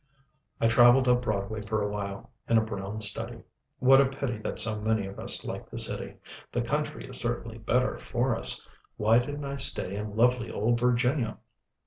I travelled up Broadway for a while, in a brown study. What a pity that so many of us like the city. The country is certainly better for us. Why didn't I stay in lovely old Virginia?